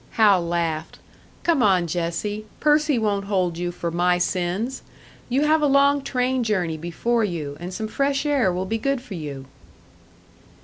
Hal laughed. "Come on, Jessie. Percy won't hold you for my sins! You have a long train journey before you, and some fresh air will be good for you."